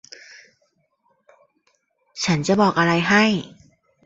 ฉันจะบอกอะไรให้